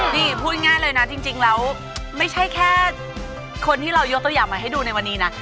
นี่พูดง่ายเลยนะจริงแล้วไม่ใช่แค่คนที่เรายกตัวอย่างมาให้ดูในวันนี้นะ